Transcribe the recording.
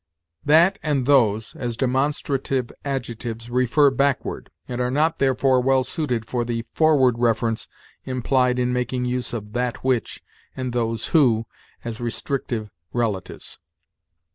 "'That' and 'those,' as demonstrative adjectives, refer backward, and are not therefore well suited for the forward reference implied in making use of 'that which' and 'those who' as restrictive relatives.